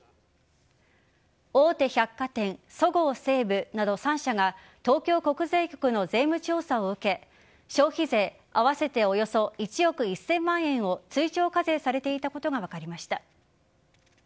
大手百貨店そごう・西武など３社が東京国税局の税務調査を受け消費税合わせておよそ１億１０００万円を追徴課税されていたことが分かりました。